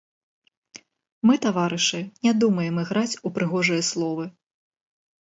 Мы, таварышы, не думаем іграць у прыгожыя словы.